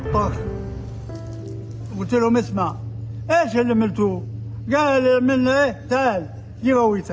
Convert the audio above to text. saya beritahu mereka untuk mendapatkan examine untuk program lestri itu wiped out